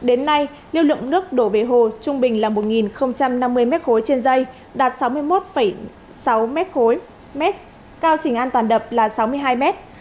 đến nay lượng nước đổ về hồ trung bình là một năm mươi m ba trên dây đạt sáu mươi một sáu m ba cao trình an toàn đập là sáu mươi hai m ba